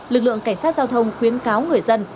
lực lượng cảnh sát giao thông khuyến cáo người dân